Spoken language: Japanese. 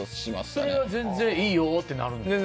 それは全然いいよってなるんですか？